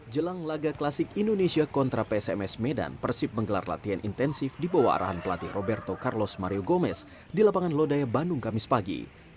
jelang laga klasik indonesia kontra psms medan persib menggelar latihan intensif di bawah arahan pelatih roberto carlos mario gomez di lapangan lodaya bandung kamis pagi